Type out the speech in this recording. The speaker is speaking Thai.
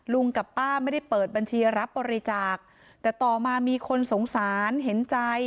กับป้าไม่ได้เปิดบัญชีรับบริจาคแต่ต่อมามีคนสงสารเห็นใจ